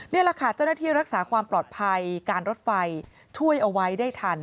นี่แหละค่ะเจ้าหน้าที่รักษาความปลอดภัยการรถไฟช่วยเอาไว้ได้ทัน